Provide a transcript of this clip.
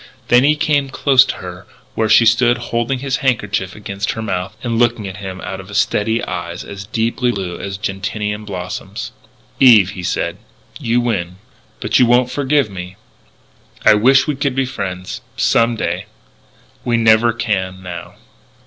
Then he came close to her where she stood holding his handkerchief against her mouth and looking at him out of steady eyes as deeply blue as gentian blossoms. "Eve," he said, "you win. But you won't forgive me.... I wish we could be friends, some day.... We never can, now....